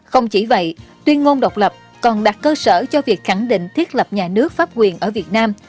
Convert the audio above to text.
không chỉ vậy tuyên ngôn độc lập còn đặt cơ sở cho việc khẳng định thiết lập nhà nước pháp quyền ở việt nam